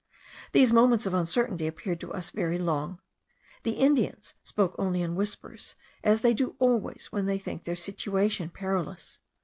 These moments of uncertainty appeared to us very long: the Indians spoke only in whispers, as they do always when they think their situation perilous.